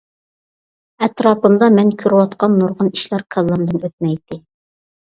ئەتراپىمدا مەن كۆرۈۋاتقان نۇرغۇن ئىشلار كاللامدىن ئۆتمەيتتى.